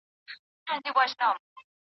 شاګرد د نورو پوهانو مقالې هم لولي.